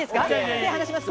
手離します。